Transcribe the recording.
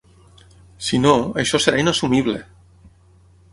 Si no, això serà inassumible!